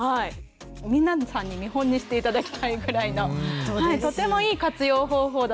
皆さんに見本にして頂きたいぐらいのとてもいい活用方法だと思います。